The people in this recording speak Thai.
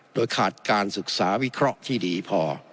โดยขาดการศึกษาวิเคราะห์ที่ดีพอ